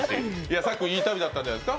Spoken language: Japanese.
さっくん、いい旅だったんじゃないですか。